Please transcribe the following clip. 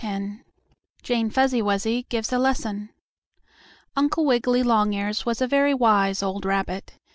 X JANE FUZZY WUZZY GIVES A LESSON Uncle Wiggily Longears was a very wise old rabbit.